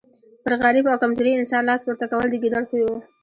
پر غریب او کمزوري انسان لاس پورته کول د ګیدړ خوی وو.